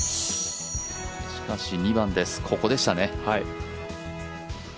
しかし２番です、ここでしたね。